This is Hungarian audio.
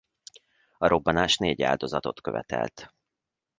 A robbanás négy áldozatot követelt.